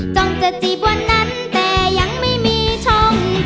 จงจะจีบวันนั้นแต่ยังไม่มีช่อง